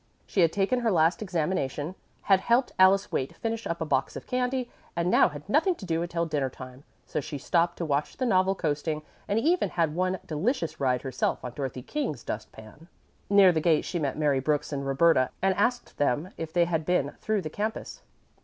She had taken her last examination, had helped Alice Waite finish up a box of candy, and now had nothing to do until dinner time, so she stopped to watch the novel coasting, and even had one delicious ride herself on Dorothy King's dust pan. Near the gate she met Mary Brooks and Roberta and asked them if they had been through the campus.